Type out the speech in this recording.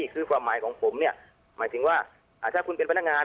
คือความหมายของผมเนี่ยหมายถึงว่าถ้าคุณเป็นพนักงาน